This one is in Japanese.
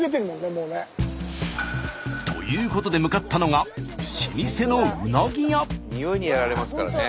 もうね。ということで向かったのがにおいにやられますからね。